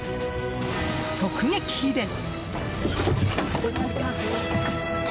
直撃です！